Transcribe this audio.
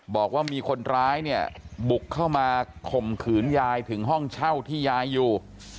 บอกว่ามีคนร้ายเนี่ยบุกเข้ามาข่มขืนยายถึงห้องเช่าที่ยายอยู่